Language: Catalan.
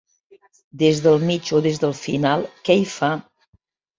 Des del mig o des del final, què hi fa?